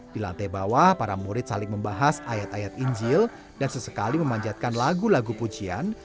di lantai bawah para murid saling membahas ayat ayat injil dan sesekali memanjatkan lagu lagu pujian